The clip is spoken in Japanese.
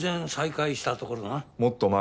もっと前。